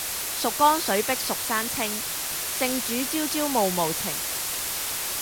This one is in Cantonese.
蜀江水碧蜀山青，聖主朝朝暮暮情。